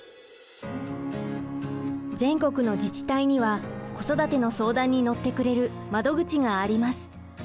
全国の自治体には子育ての相談に乗ってくれる窓口があります。